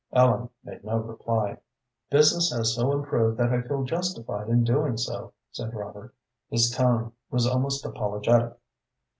Ellen made no reply. "Business has so improved that I feel justified in doing so," said Robert. His tone was almost apologetic.